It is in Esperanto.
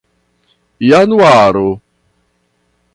januaro